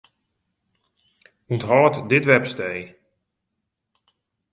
Unthâld dit webstee.